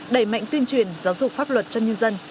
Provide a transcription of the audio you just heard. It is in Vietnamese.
đẩy mạnh tuyên truyền giáo dục pháp luật cho nhân dân